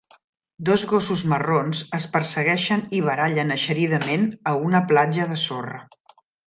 Dos gossos marrons es persegueixen i barallen eixeridament a una platja de sorra.